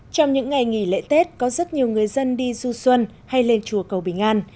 trong những ngày nghỉ lễ tết có rất nhiều người dân đi du xuân hay lên chùa cầu bình an